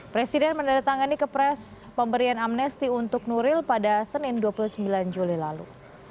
presiden menandatangani kepres pemberian amnesti untuk nuril pada senin dua puluh sembilan juli lalu